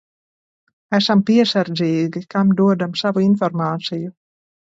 Esam piesardzīgi, kam dodam savu informāciju.